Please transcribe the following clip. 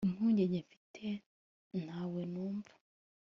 impungenge mfite ntawe numva